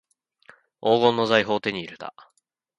黄金の財宝を手に入れた